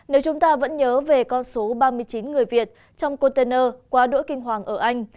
nếu chúng ta vẫn nhớ về con số ba mươi chín người việt trong container quá đỗ kinh hoàng ở anh